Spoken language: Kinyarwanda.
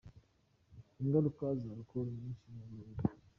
Ingaruka za alcool nyinshi mu mubiri.